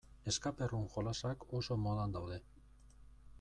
Escape-room jolasak oso modan daude.